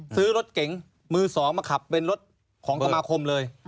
ซื้อรถเก๋งมือสองมาขับเป็นรถของสมาคมเลย